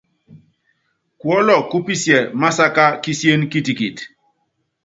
Kuɔ́lɔk kú pisiɛ másaká kisién kitikit.